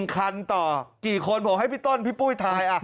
คันต่อกี่คนผมให้พี่ต้นพี่ปุ้ยถ่าย